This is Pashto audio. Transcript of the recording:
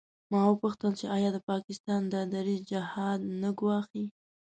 ما وپوښتل چې آیا د پاکستان دا دریځ جهاد نه ګواښي.